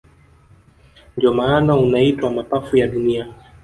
Ndio maana unaitwa mapafu ya dunia